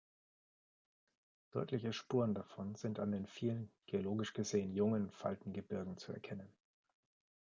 Deutliche Spuren davon sind an den vielen, geologisch gesehen jungen, Faltengebirgen zu erkennen.